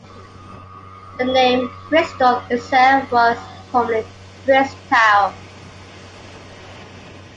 The name "Bristol" itself was formerly "Bristow".